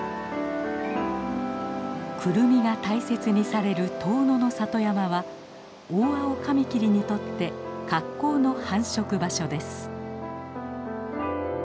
クルミが大切にされる遠野の里山はオオアオカミキリにとって格好の繁殖場所です。